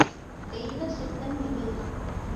தெய்வ சித்தம் இது.